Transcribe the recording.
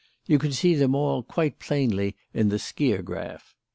You can see them all quite plainly in the skiagraph.